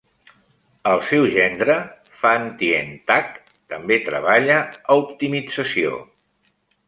El seu gendre, Phan Thien Thach, també treballa a Optimització.